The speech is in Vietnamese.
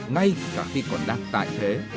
ngay cả khi còn đang tại thế